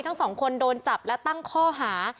วันนี้เจออาทิตย์เตอร์๑๗๕ปี